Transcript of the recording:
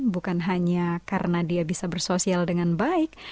bukan hanya karena dia bisa bersosial dengan baik